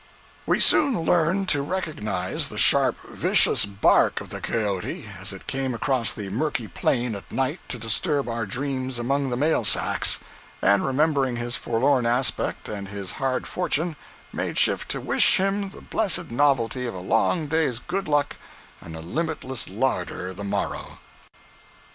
We soon learned to recognize the sharp, vicious bark of the cayote as it came across the murky plain at night to disturb our dreams among the mail sacks; and remembering his forlorn aspect and his hard fortune, made shift to wish him the blessed novelty of a long day's good luck and a limitless larder the morrow.